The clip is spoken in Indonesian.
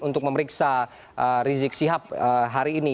untuk memeriksa rizik sihab hari ini